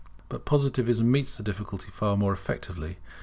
But Positivism meets the difficulty far more effectually.